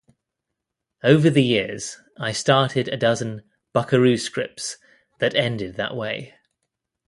Over the years, I started a dozen "Buckaroo" scripts that ended that way".